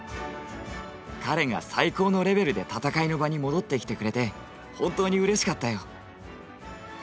彼が最高のレベルで戦いの場に戻ってきてくれて本当にうれしかったよ。